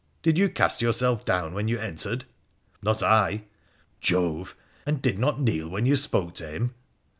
Did you cast yourself down when you entered?' < Not I.' ' Jove ! And did not kneel while you spoke to him